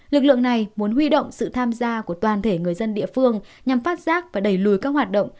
lực lượng này muốn huy động sự tham gia của toàn thể người dân địa phương nhằm phát giác và đẩy lùi các hoạt động